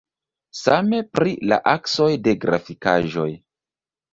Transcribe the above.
Same pri la aksoj de grafikaĵoj.